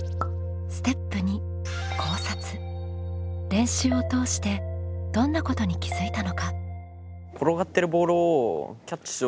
練習を通してどんなことに気づいたのか？